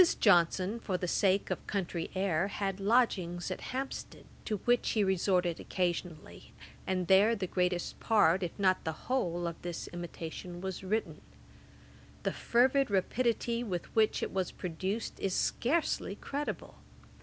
Johnson, for the sake of country air, had lodgings at Hampstead, to which he resorted occasionally, and there the greatest part, if not the whole, of this Imitation was written. The fervid rapidity with which it was produced, is scarcely credible.